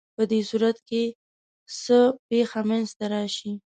په دې صورت کې څه پېښه منځ ته راشي؟